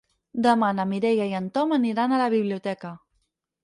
Demà na Mireia i en Tom aniran a la biblioteca.